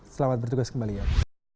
selamat bertugas kembali ian